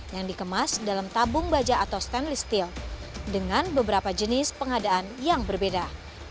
yang dikemas dalam tabung baja atau stainless steel dengan beberapa jenis pengadaan yang berbeda